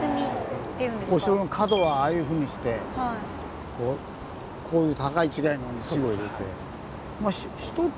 お城の角はああいうふうにしてこういう互い違いの石を入れて。